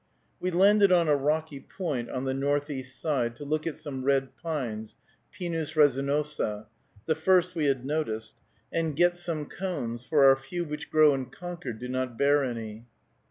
We landed on a rocky point on the northeast side, to look at some red pines (Pinus resinosa), the first we had noticed, and get some cones, for our few which grow in Concord do not bear any.